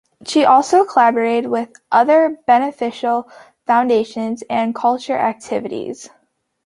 She also collaborates with other benefic foundations and cultural activities.